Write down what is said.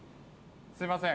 すいません